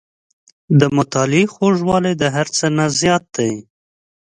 • د مطالعې خوږوالی د هر څه نه زیات دی.